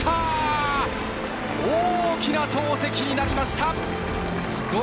大きな投てきになりました。